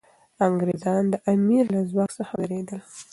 انګریزان د امیر له ځواک څخه ویرېدل.